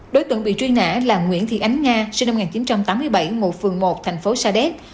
đối tượng bị truy nã là nguyễn thị ánh nga sinh năm một nghìn chín trăm tám mươi bảy ngụ phường một thành phố sa đéc